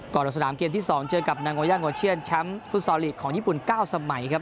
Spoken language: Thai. ก่อนลงสนามเกมที่๒เจอกับนางโงย่าโวเชียนแชมป์ฟุตซอลลีกของญี่ปุ่น๙สมัยครับ